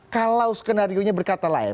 kalau skenarionya berkata lain